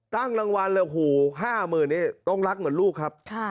ตั้งรางวัลโอ้โห๕๐๐๐นี่ต้องรักเหมือนลูกครับ